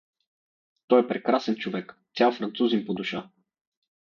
Той е прекрасен човек, цял французин по душа.